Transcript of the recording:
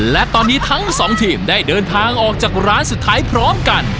และตอนนี้ทั้งสองทีมได้เดินทางออกจากร้านสุดท้ายพร้อมกัน